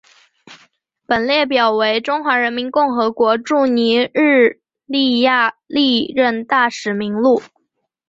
本列表为中华人民共和国驻尼日利亚历任大使名录。